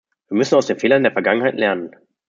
Wir müssen aus den Fehlern der Vergangenheit lernen.